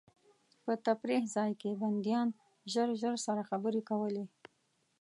په تفریح ځای کې بندیان ژر ژر سره خبرې کولې.